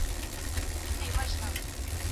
د اله اباد پوهنتون اصول تر نورو بېل دي.